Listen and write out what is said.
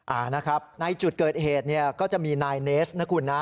อ่านะครับในจุดเกิดเหตุเนี่ยก็จะมีนายเนสนะคุณนะ